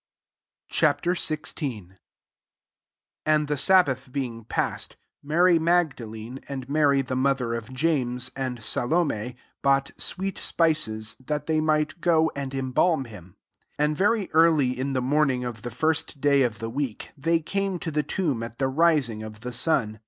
Ch, XVI. 1 AND the sab bath being past, Mary Magda lene, and Mary the mother of JsuneS) and Salom6, bought sweet spices, that they might go aad embalm him. 2 And very early in the morning of the first day of the week, they came to the tomb at the riung of the sun.